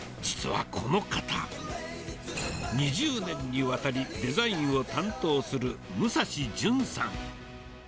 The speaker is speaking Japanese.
実はこの方、２０年にわたり、デザインを担当する、武蔵淳さん。